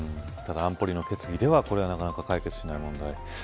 ただ安保理の決議ではなかなか解決しない問題。